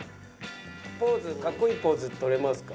「ポーズかっこいいポーズとれますか？」。